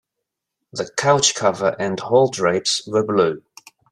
The couch cover and hall drapes were blue.